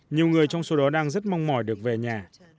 nhiều người trong số đó đang rất mong mỏi được về nhà